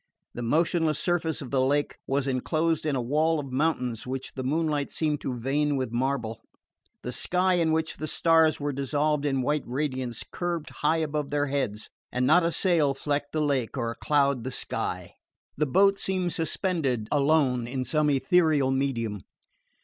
The motionless surface of the lake was enclosed in a wall of mountains which the moonlight seemed to vein with marble. A sky in which the stars were dissolved in white radiance curved high above their heads; and not a sail flecked the lake or a cloud the sky. The boat seemed suspended alone in some ethereal medium.